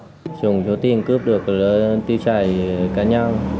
số tiền mà hai đối tượng cướp được là một triệu hai trăm bảy mươi nghìn đồng